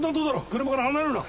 車から離れるな。